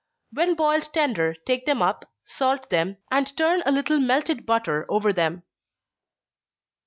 When boiled tender, take them up, salt them, and turn a little melted butter over them.